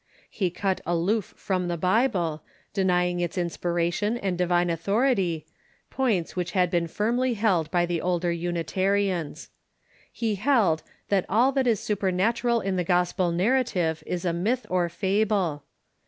He cut aloof from the Bible, denying its inspiration and divine authority, points which had been firmly held by the older Unitarians. He held, that all that is supernatural in the gospel narrative is a myth or fable.